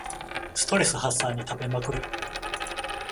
ストレス発散に食べまくる